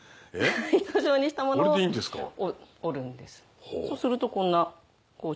糸状にしたものを折るんですそうするとこんなちょっと粗い。